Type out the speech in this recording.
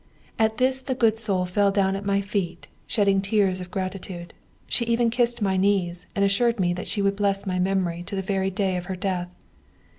At this the good soul fell down at my feet, shedding tears of gratitude. She even kissed my knees, and assured me that she would bless my memory to the very day of her death.